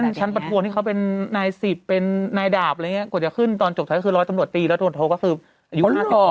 ชั้นประทวนที่เขาเป็นนายสิบเป็นนายดาบอะไรอย่างนี้กว่าจะขึ้นตอนจบท้ายคือร้อยตำรวจตีแล้วโดนโทก็คืออายุ๕๐